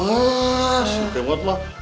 asyik kemot mah